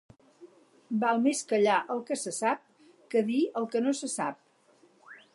Val més callar el que se sap, que dir el que no se sap.